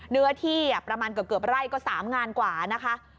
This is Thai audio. เนื้อที่ประมาณเกือบไร่ก็๓งานกว่านะคะ